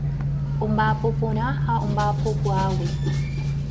Omba'apo porã ha omba'apokuaágui.